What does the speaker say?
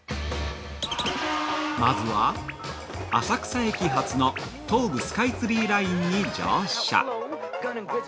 まずは、浅草駅発の東武スカイツリーラインに乗車。